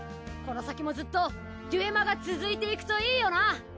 この先もずっとデュエマが続いていくといいよな。